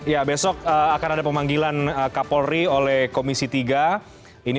ya besok akan ada pemanggilan kapolri oleh komisi tiga ini